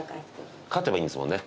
勝てばいいんですもんね。